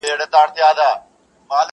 په تلاښ د وظیفې سوه د خپل ځانه.